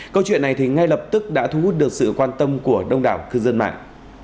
câu chuyện này thì ngay lập tức đã thu hút được sự quan tâm của đông đảo cư dân mạng